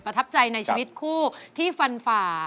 ทับใจในชีวิตคู่ที่ฟันฝ่า